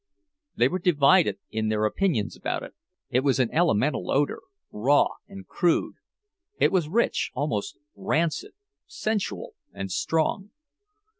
They were divided in their opinions about it. It was an elemental odor, raw and crude; it was rich, almost rancid, sensual, and strong.